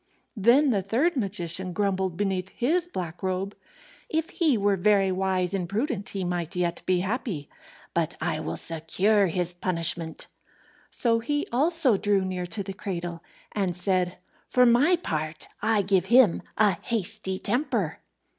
Then the third magician grumbled beneath his black robe, "If he were very wise and prudent he might yet be happy. But I will secure his punishment." So he also drew near to the cradle, and said, "For my part, I give him a hasty temper."